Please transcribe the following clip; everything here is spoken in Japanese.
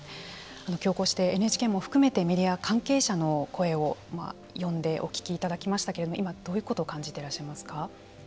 きょうこうしてＮＨＫも含めてメディア関係者の声をお聞きいただきましたけれども今、どういうことを感じいらっしゃいますか。